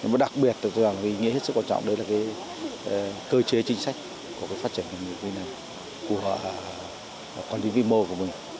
một đặc biệt tôi rằng là ý nghĩa hết sức quan trọng đó là cái cơ chế chính sách của phát triển ngành phù hợp của quản lý vi mô của mình